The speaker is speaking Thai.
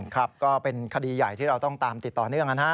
ครับก็เป็นคดีใหญ่ที่เราต้องตามติดต่อเนื่องนะฮะ